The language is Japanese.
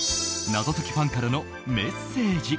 謎解きファンからのメッセージ。